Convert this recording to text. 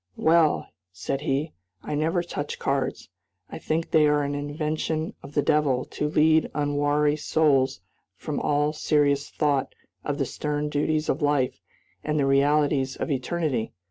"Well," said he, "I never touch cards. I think they are an invention of the devil to lead unwary souls from all serious thought of the stern duties of life and the realities of eternity!